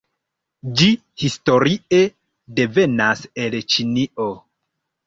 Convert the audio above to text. Ĝi historie devenas el Ĉinio.